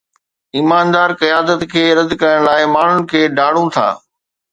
ايماندار قيادت کي رد ڪرڻ لاءِ ماڻهن کي ڊاڙون ٿا